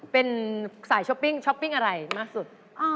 เป็นสายช้อปปิ้งช้อปปิ้งอะไรมากสุด